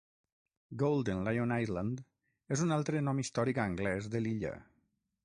Golden Lion Island és un altre nom històric anglès de l'illa.